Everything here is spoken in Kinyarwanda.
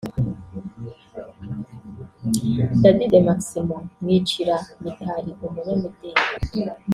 Daddy de Maximo Mwicira Mitali umunyamideli